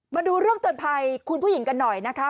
มาดูเรื่องเตือนภัยคุณผู้หญิงกันหน่อยนะคะ